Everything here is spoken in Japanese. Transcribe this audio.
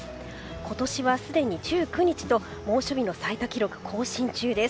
今年はすでに１９日と猛暑日の最多記録更新中です。